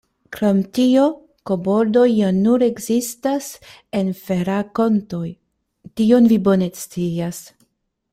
Krom tio, koboldoj ja nur ekzistas en ferakontoj; tion vi bone scias.